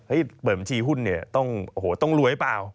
เฮ้ยเปิดบัญชีหุ้นต้องรวยเปล่า